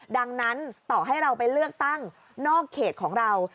ดังนั้นต่อให้เราไปเลือกตั้งนอกเขตของเรา